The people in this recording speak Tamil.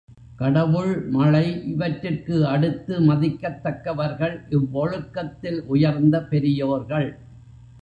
கடவுள், மழை இவற்றிற்கு அடுத்து மதிக்கத் தக்கவர்கள் இவ்வொழுக்கத்தில் உயர்ந்த பெரியோர்கள்.